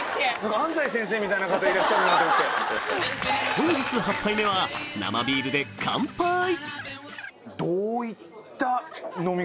本日８杯目は生ビールでカンパイ！